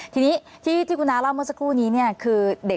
ทีนี้ที่คุณน้าเล่าเมื่อสักครู่นี้คือเด็ก